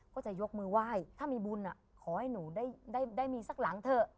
ก็จะยกมือไหว้ถ้ามีบุญขอให้หนูได้มีสักหลังเถอะ